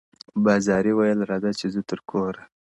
بازاري ویل راځه چي ځو ترکوره-